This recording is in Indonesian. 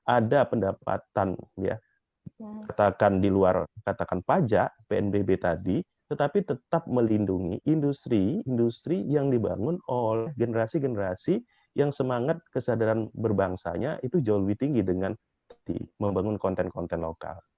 ada pendapatan ya katakan di luar katakan pajak pnbb tadi tetapi tetap melindungi industri industri yang dibangun oleh generasi generasi yang semangat kesadaran berbangsanya itu jauh lebih tinggi dengan membangun konten konten lokal